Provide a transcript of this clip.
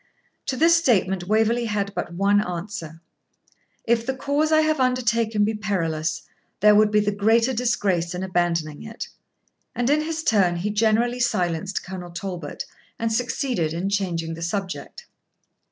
To this statement Waverley had but one answer: 'If the cause I have undertaken be perilous, there would be the greater disgrace in abandoning it.' And in his turn he generally silenced Colonel Talbot, and succeeded in changing the subject.